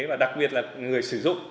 và đặc biệt là người sử dụng